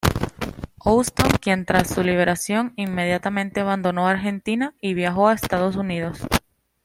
Houston, quien tras su liberación inmediatamente abandonó Argentina y viajó a Estados Unidos.